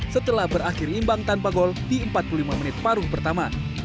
setelah berakhir imbang tanpa gol di empat puluh lima menit paruh pertama